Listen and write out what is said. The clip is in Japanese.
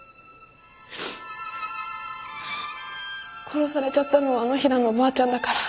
殺されちゃったのは野平のおばあちゃんだから。